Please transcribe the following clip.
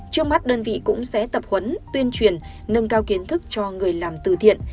trước mắt đơn vị cũng sẽ tập huấn tuyên truyền nâng cao kiến thức cho người làm từ thiện